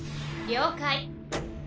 「了解」。